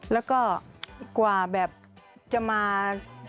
แล้วก็กว่าแบบจะมา